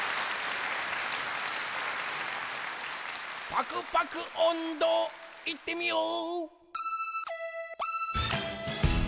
パクパクおんど、いってみよう！